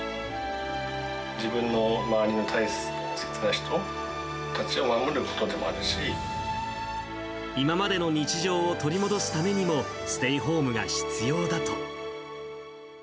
自分の周りの大切な人たちを今までの日常を取り戻すためにも、ステイホームが必要だと。